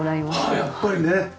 ああやっぱりね。